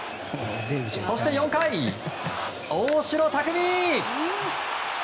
そして４回、大城卓三。